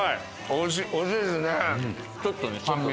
おいしいですね！